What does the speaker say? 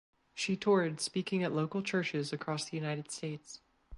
She toured speaking at local churches across the United States.